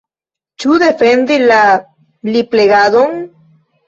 Ĉu defendi la liplegadon?